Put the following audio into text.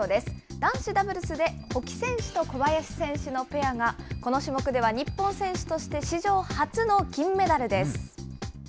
男子ダブルスで保木選手と小林選手のペアが、この種目では日本選手として史上初の金メダルです。